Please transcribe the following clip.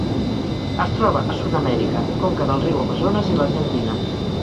Es troba a Sud-amèrica: conca del riu Amazones i l'Argentina.